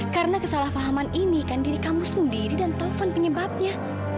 karena kesalahpahaman ini kan diri kamu sendiri dan taufan penyebabnya